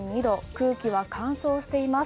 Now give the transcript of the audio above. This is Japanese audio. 空気は乾燥しています。